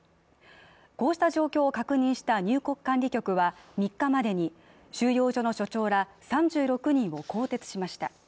こうした状況を確認した入国管理局は３日までに収容所の所長ら３６人を更迭しました